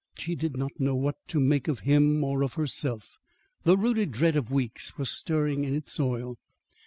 She did not know what to make of him or of herself. The rooted dread of weeks was stirring in its soil.